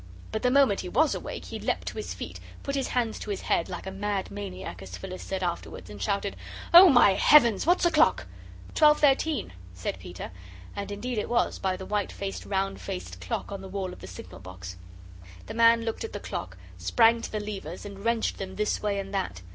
But the moment he WAS awake he leapt to his feet, put his hands to his head "like a mad maniac," as Phyllis said afterwards, and shouted: "Oh, my heavens what's o'clock?" "Twelve thirteen," said Peter, and indeed it was by the white faced, round faced clock on the wall of the signal box. The man looked at the clock, sprang to the levers, and wrenched them this way and that.